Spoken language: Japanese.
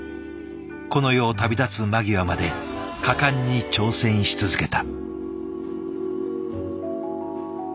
この世を旅立つ間際まで果敢に挑戦し続けた。